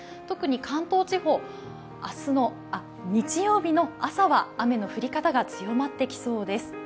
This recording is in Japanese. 特に関東地方、日曜日の朝は雨の降り方が強まってきそうです。